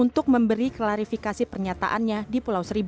untuk memberi klarifikasi pernyataan yang menyerah di putera seoko insan vision